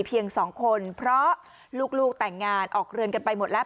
สองคนเพราะลูกแต่งงานออกเรือนกันไปหมดแล้ว